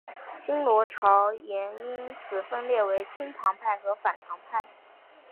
新罗朝延因此分裂为亲唐派和反唐派。